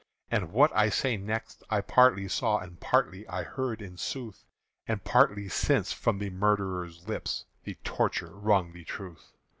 And what I say next I partly saw And partly I heard in sooth, And partly since from the murderers' lips The torture wrung the truth.